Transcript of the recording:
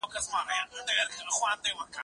زه پاکوالی نه کوم!؟